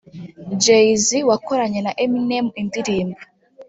Jay-Z wakoranye na Eminem indirimbo